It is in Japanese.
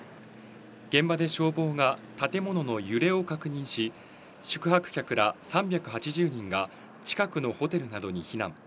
現場で消防が建物の揺れを確認し、宿泊客ら３８０人が近くのホテルなどに避難。